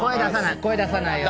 声出さないよ。